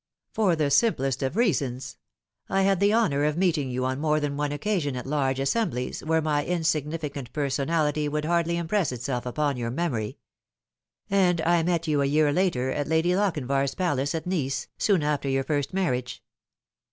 " For the simplest of reasons. I had the honour of meeting you on more than one occasion at large assemblies, where my insignificant personality would hardly impress itself upon your memory. And I met you a year later at Lady Lochinvar's palace at Nice, soon after your first marriage."